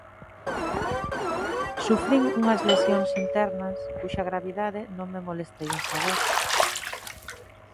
Sufrín unhas lesións internas cuxa gravidade non me molestei en saber.